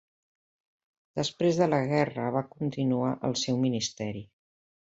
Després de la guerra va continuar el seu ministeri.